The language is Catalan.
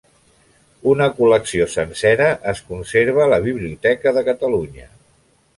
Una col·lecció sencera es conserva a la Biblioteca de Catalunya.